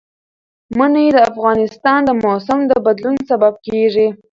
منی د افغانستان د موسم د بدلون سبب کېږي.